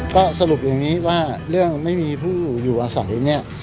ก็สรุปอย่างนี้ว่าเรื่องไม่มีผู้อยู่อาศัยเนี่ย